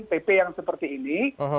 pp yang seperti ini